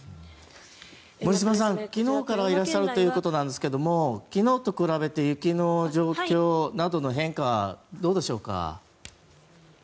森嶋さん、昨日からいらっしゃるということですが昨日と比べて雪の状況などの変化はどうでしょうか。